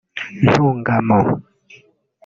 Ntungamo